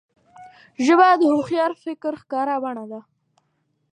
ژبه د هوښیار فکر ښکاره بڼه ده